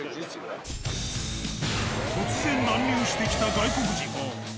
突然乱入してきた外国人。